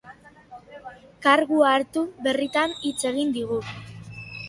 Kargua hartu berritan hitz egin digu.